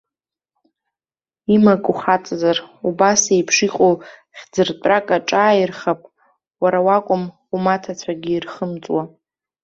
Имак ухаҵазар, убас еиԥш иҟоу хьӡыртәрак аҿааирхап, уара уакәым, умаҭацәагьы ирхымҵуа.